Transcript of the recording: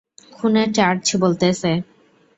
খুনের চার্জ বলতেছে।